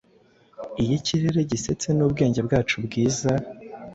Iyo ikirere gisetse n'ubwenge bwacu bwiza,